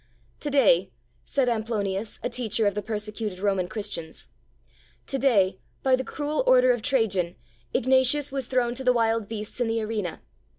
'To day,' said Amplonius, a teacher of the persecuted Roman Christians, 'to day, by the cruel order of Trajan, Ignatius was thrown to the wild beasts in the arena.